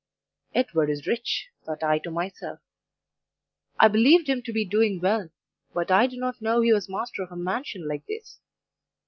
"Edward is rich," thought I to myself. 'I believed him to be doing well but I did not know he was master of a mansion like this.